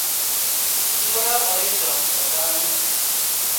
آݩب رآ الهيٚ جآم ڦآئيدآ اوهيݩ۔